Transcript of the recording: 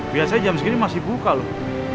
biasanya jam segini masih buka loh